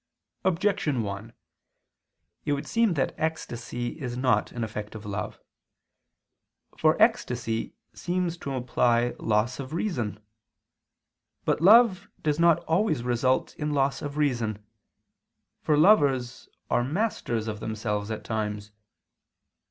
Objection 1: It would seem that ecstasy is not an effect of love. For ecstasy seems to imply loss of reason. But love does not always result in loss of reason: for lovers are masters of themselves at times.